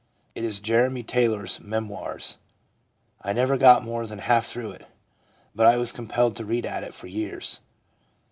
It is Jeremy Taylor's Memoirs. I never got more than half through it, but I was compelled to read at it for years.